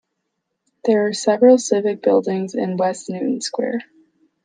There are several civic buildings in West Newton Square.